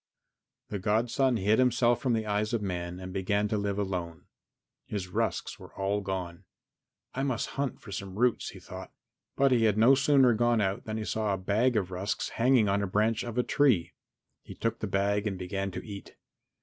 XII The godson hid himself from the eyes of men and began to live alone. His rusks were all gone. "I must hunt for some roots," he thought, but he had no sooner gone out than he saw a bag of rusks hanging on the branch of a tree. He took the bag and began to eat.